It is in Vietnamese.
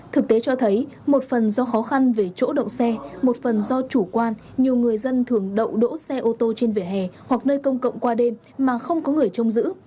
thực tế cho thấy một phần do khó khăn về chỗ đậu xe một phần do chủ quan nhiều người dân thường đậu đỗ xe ô tô trên vỉa hè hoặc nơi công cộng qua đêm mà không có người trông giữ